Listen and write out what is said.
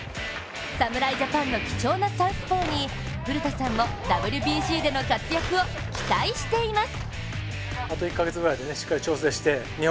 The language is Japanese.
侍ジャパンの貴重なサウスポーに古田さんもＷＢＣでの活躍を期待しています。